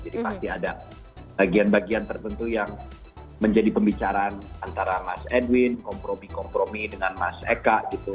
jadi pasti ada bagian bagian tertentu yang menjadi pembicaraan antara mas edwin kompromi kompromi dengan mas eka gitu